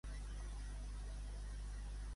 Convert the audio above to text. Grups com Mishima, Manel i Mujeres també hi han tocat.